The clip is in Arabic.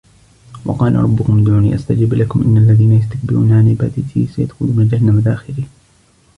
وَقَالَ رَبُّكُمُ ادْعُونِي أَسْتَجِبْ لَكُمْ إِنَّ الَّذِينَ يَسْتَكْبِرُونَ عَنْ عِبَادَتِي سَيَدْخُلُونَ جَهَنَّمَ دَاخِرِينَ